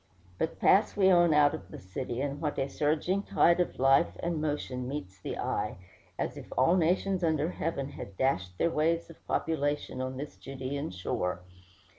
But pass we on out of the city, and what a surging tide of life and motion meets the eye, as if all nations under heaven had dashed their waves of population on this Judæan shore!